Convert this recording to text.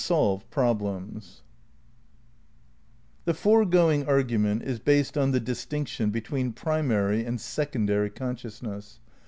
xn SUMMARY The foregoing argument is based on the distinction between Primary and Secondary Consciousness.